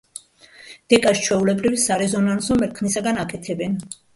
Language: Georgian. დეკას ჩვეულებრივ სარეზონანსო მერქნისაგან აკეთებენ.